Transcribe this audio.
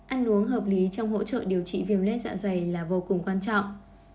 ăn uống hợp lý trong hỗ trợ điều trị viêm lết dạ dày là vô cùng quan trọng